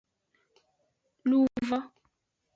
Luvo.